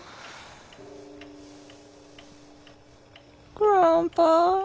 グランパ。